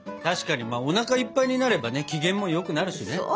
確かにおなかいっぱいになればね機嫌もよくなるしね。